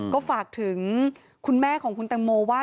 ก็ฝากถึงคุณแม่ของคุณตังโมว่า